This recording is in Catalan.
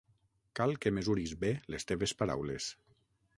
Cal que mesuris bé les teves paraules.